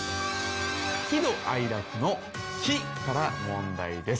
喜怒哀楽の喜から問題です。